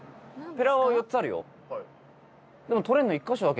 ペラ輪は４つあるよ